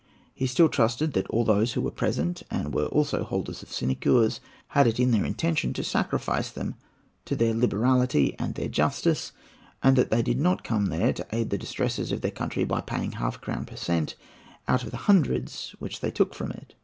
He still trusted that all who were present and were also holders of sinecures had it in their intention to sacrifice them to their liberality and their justice; and that they did not come there to aid the distresses of their country by paying half a crown per cent, out of the hundreds which they took from it.